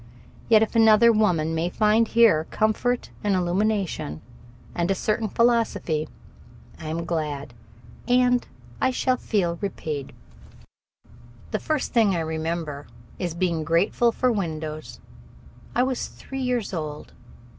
Yet, if other women may find here comfort and illumination and a certain philosophy, I am glad, and I shall feel repaid. The first thing I remember is being grateful for windows. I was three years old.